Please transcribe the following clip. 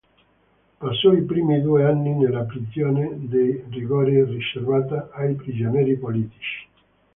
Passò i primi due anni nella prigione di rigore riservata ai prigionieri politici.